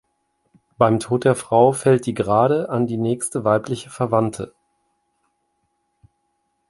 Beim Tod der Frau fällt die Gerade an die nächste weibliche Verwandte.